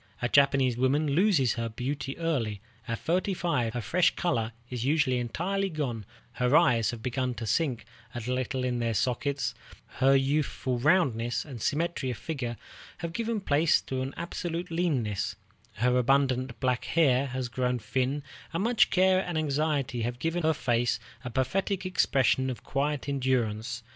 A Japanese woman loses her beauty early. At thirty five her fresh color is usually entirely gone, her eyes have begun to sink a little in their sockets, her youthful roundness and symmetry of figure have given place to an absolute leanness, her abundant black hair has grown thin, and much care and anxiety have given her face a pathetic expression of quiet endurance.